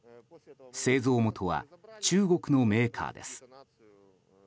製造元は、中国のメーカーです。